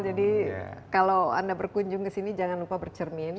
jadi kalau anda berkunjung kesini jangan lupa bercermin